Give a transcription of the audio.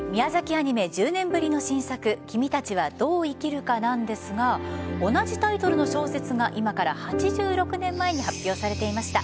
アニメ１０年ぶりの新作「君たちはどう生きるか」なんですが同じタイトルの小説が今から８６年前に発表されていました。